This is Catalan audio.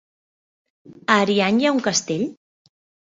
A Ariany hi ha un castell?